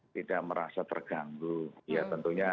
tidak merasa terganggu ya tentunya